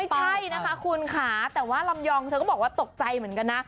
ไม่ใช่นะคะคุณค่ะแต่ว่าลำยองเธอก็บอกว่าตกใจเหมือนกันนะ